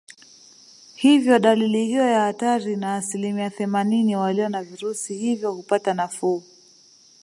Hivyo dalili hiyo ya hatari na asilimia themanini walio na virusi hivyo hupata nafuu